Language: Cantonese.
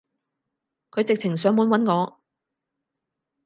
佢直情上門搵我